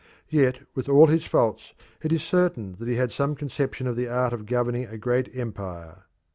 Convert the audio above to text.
Yet with all his faults it is certain that he had some conception of the art of governing a great empire.